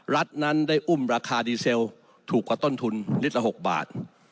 รัฐนั้นได้อุ้มราคาดีเซลถูกกว่าต้นทุนลิตรละ๖บาท